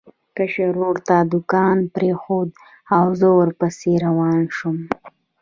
کشر ورور ته دوکان پرېښود او زه ورپسې روان شوم.